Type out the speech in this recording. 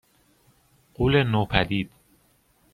غولِ نوپدید